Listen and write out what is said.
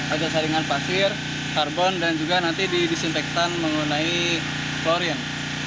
ada saringan pasir karbon dan juga nanti disinfektan menggunai klorin